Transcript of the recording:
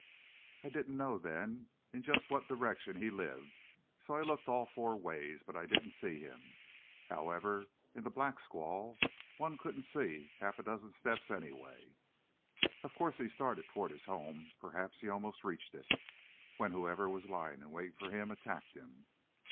I didn't know then in just what direction he lived, so I looked all four ways but I didn't see him. However, in the black squall, one couldn't see half a dozen steps anyway." "Of course, he started toward his home, perhaps, he almost reached it, when whoever was lying in wait for him attacked him."